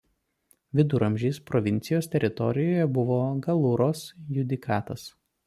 Viduramžiais provincijos teritorijoje buvo Galuros judikatas.